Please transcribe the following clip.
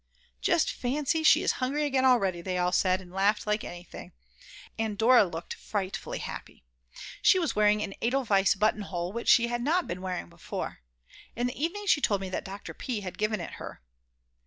"Just fancy, she is hungry again already," they all said, and laughed like anything. And Dora looked frightfully happy. She was wearing an edelweiss buttonhole which she had not been wearing before; in the evening she told me that Dr. P. had given it her.